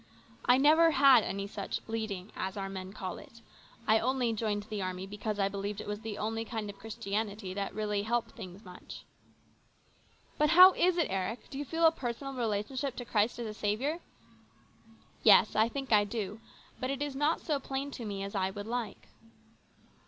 " I never had any such ' leading,' as our men call it. I joined the army because I believed it was the only kind of Christianity that can really help things much." " But how is it, Eric ? Do you feel a personal relationship to Christ as a Saviour ?"" Yes, I think I do. But it is not so plain to me as I would like."